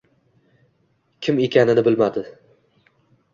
— kim ekanini bilmadi.